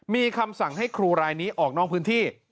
มีคำสั่งให้ครูรายนี้ออกนอกพื้นที่